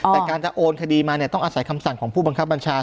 แต่การจะโอนคดีมาต้องอาศัยคำสั่งของผู้บังคับบัญชา